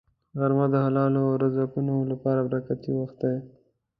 غرمه د حلالو رزقونو لپاره برکتي وخت دی